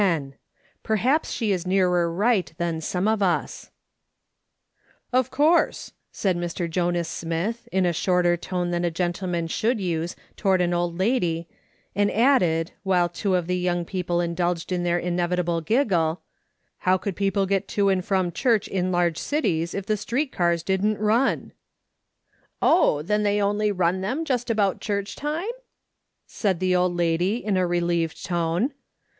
*' PERHAPS SHE IS NEARER RIGHT THAN SOME OF usr "Of course," said Mr. Jonas Smith, in a shorter tone than a gentleman should use toward an old lady, and added, while two of the younp; people indulged in their inevitable giggle, " how would j)eople get to and from church in large cities, if the street cars didn't run ?"" Oh, then they only run them just about church time ?" said the old lady, in a relieved tone.